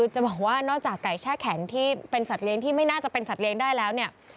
จะบอกว่านอกจากไก่แช่แข็งที่เป็นสัตว์เลี้ยงที่ไม่น่าจะเป็นสัตว์เลี้ยงได้แล้วเนี่ย